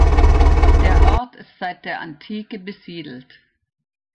Der Ort ist seit der Antike besiedelt.